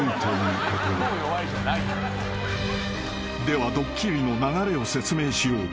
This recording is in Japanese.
［ではドッキリの流れを説明しよう］